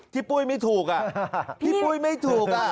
ที่ปุ้ยไม่ถูกอ่ะที่ปุ้ยไม่ถูกอ่ะ